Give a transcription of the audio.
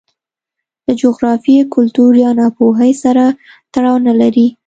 له جغرافیې، کلتور یا ناپوهۍ سره تړاو نه لري.